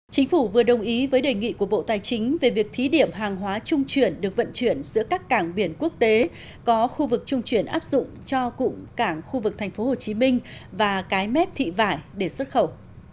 chính phủ vừa đồng ý với đề nghị của bộ tài chính về việc thí điểm hàng hóa trung chuyển được vận chuyển giữa các cảng biển quốc tế có khu vực trung chuyển áp dụng cho cụm cảng khu vực tp hcm và cái mép thị vải để xuất khẩu